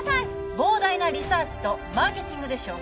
膨大なリサーチとマーケティングでしょう